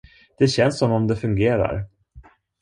Det känns som om det fungerar.